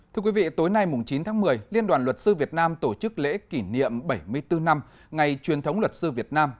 thưa quý vị tối nay chín tháng một mươi liên đoàn luật sư việt nam tổ chức lễ kỷ niệm bảy mươi bốn năm ngày truyền thống luật sư việt nam